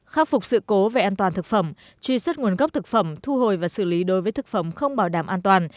khắc phục sự cố về an toàn thực phẩm truy xuất nguồn gốc thực phẩm thu hồi và xử lý đối với thực phẩm không bảo đảm an toàn